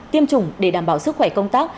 tiêm chủng để đảm bảo sức khỏe công tác